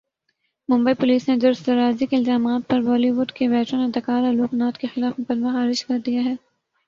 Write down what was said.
Mumbai police نے درست درازی کے الزامات پر بالی وڈ کے ویٹرن اداکار الوک ناتھ کے خلاف مقدمہ خارج کردیا ہے